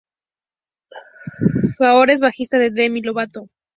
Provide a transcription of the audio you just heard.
Ahora es el bajista de Demi Lovato.